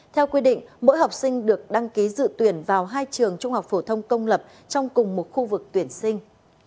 theo quy định mỗi học sinh được đăng ký dự tuyển vào hai trường trung học phổ thông công lập trong cùng một khu vực tuyển sinh